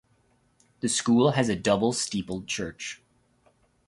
The school has a double steepled church.